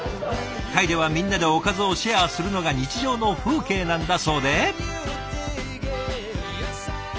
タイではみんなでおかずをシェアするのが日常の風景なんだそうで。